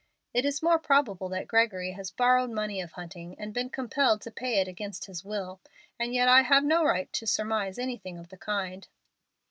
"It is more probable that Gregory has borrowed money of Hunting, and been compelled to pay it against his will; and yet I have no right to surmise anything of the kind."